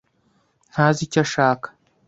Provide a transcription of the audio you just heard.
Ntazi icyo ashaka.